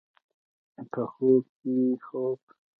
په خوب کې خوب